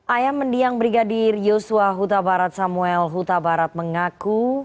ayam mendiang brigadir yosua huta barat samuel huta barat mengaku